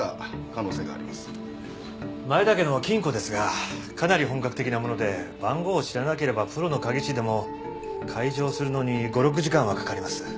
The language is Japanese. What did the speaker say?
前田家の金庫ですがかなり本格的なもので番号を知らなければプロの鍵師でも解錠するのに５６時間はかかります。